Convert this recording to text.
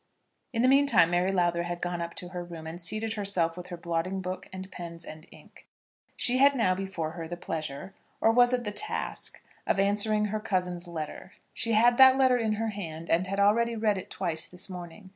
In the meantime Mary Lowther had gone up to her room, and seated herself with her blotting book and pens and ink. She had now before her the pleasure, or was it a task? of answering her cousin's letter. She had that letter in her hand, and had already read it twice this morning.